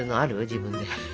自分で。